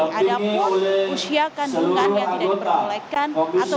jadi ada usia kandungan yang tidak diperbolehkan